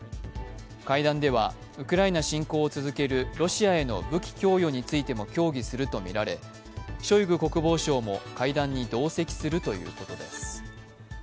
会談では、ウクライナ侵攻を続けるロシアへの武器供与についても協議するとみられ、ショイグ国防相も会談に同席するということです。